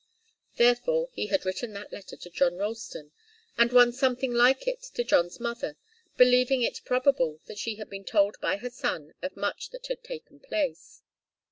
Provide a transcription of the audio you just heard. Therefore he had written that letter to John Ralston, and one something like it to John's mother, believing it probable that she had been told by her son of much that had taken place.